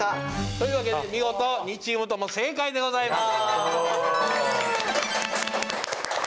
というわけで見事２チームとも正解でございます。